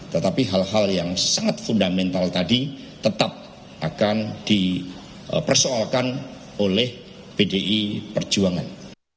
tetapi hal hal yang sangat fundamental tadi tetap akan dipersoalkan oleh pdi perjuangan